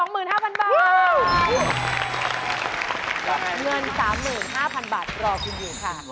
เงิน๕๐๐๐บาทรอคุณอยู่ค่ะ